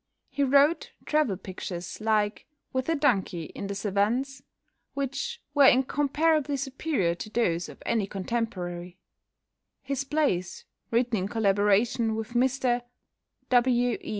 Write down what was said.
He wrote travel pictures like "With a Donkey in the Cevennes," which were incomparably superior to those of any contemporary; his plays written in collaboration with Mr W. E.